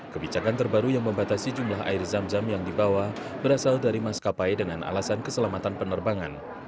kebijakan terbaru yang membatasi jumlah air zam zam yang dibawa berasal dari maskapai dengan alasan keselamatan penerbangan